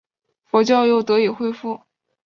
佛教又得以恢复。